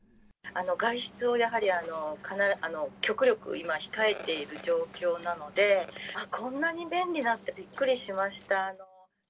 外出をやはり極力、今、控えている状況なので、こんなに便利だってびっくりしました。